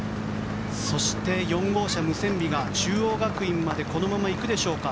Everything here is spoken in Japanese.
そして、４号車、ムセンビが中央学院までこのまま行くでしょうか。